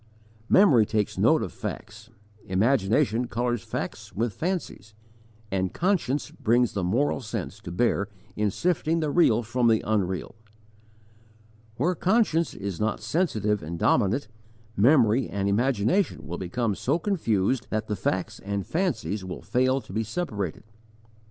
Memory takes note of facts, imagination colours facts with fancies, and conscience brings the moral sense to bear in sifting the real from the unreal. Where conscience is not sensitive and dominant, memory and imagination will become so confused that facts and fancies will fail to be separated.